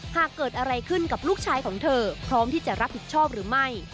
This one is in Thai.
หากเกิดอะไรขึ้นกับลูกชายของเธอพร้อมที่จะรับผิดชอบหรือไม่